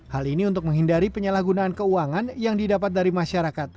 hal ini untuk menghindari penyalahgunaan keuangan yang didapat dari masyarakat